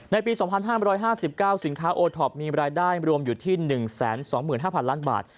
ปี๒๕๕๙สินค้าโอท็อปมีรายได้รวมอยู่ที่๑๒๕๐๐ล้านบาท